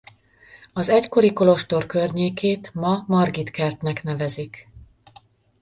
Az egykori kolostor környékét ma Margit-kertnek nevezik.